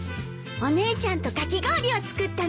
お姉ちゃんとかき氷を作ったの。